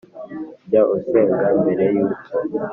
Jya usenga mbere y uko